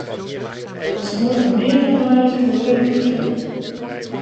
Als het morgen meer gaat waaien kunnen we leuk vliegeren.